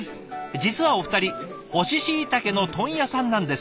実はお二人乾しいたけの問屋さんなんです。